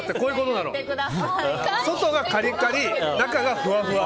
外がカリカリ、中がふわふわ。